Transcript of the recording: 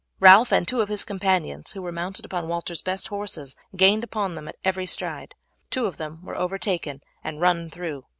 Ralph and two of his companions, who were mounted upon Walter's best horses, gained upon them at every stride. Two of them were overtaken and run through.